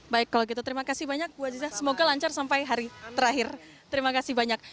baik kalau gitu terima kasih banyak bu aziza semoga lancar sampai hari terakhir terima kasih banyak